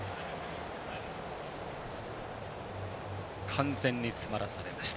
完全に詰まらせられました。